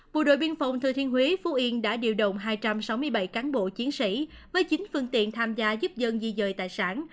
bộ đội biên phòng thừa thiên huế phú yên đã điều động hai trăm sáu mươi bảy cán bộ chiến sĩ với chín phương tiện tham gia giúp dân di dời tài sản